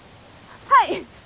はい！